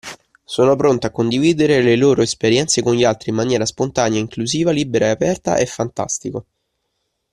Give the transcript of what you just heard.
Sono pronte a condividere le loro esperienze con gli altri in maniera spontanea, inclusiva, libera e aperta è fantastico.